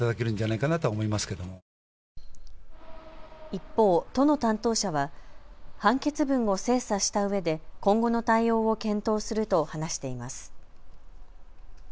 一方、都の担当者は判決文を精査したうえで今後の対応を検討すると話しています。